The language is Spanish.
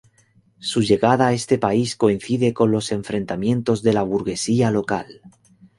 Su llegada a este país coincide con los enfrentamientos de la burguesía local.